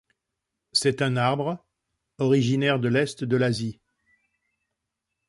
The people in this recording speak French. C'est un arbre, originaire de l'est de l'Asie.